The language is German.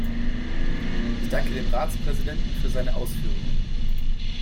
Ich danke dem Ratspräsidenten für seine Ausführungen.